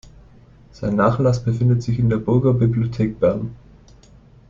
Sein Nachlass befindet sich in der Burgerbibliothek Bern.